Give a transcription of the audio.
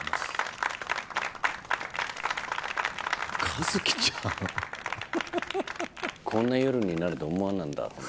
一輝ちゃん？こんな夜になると思わなんだ。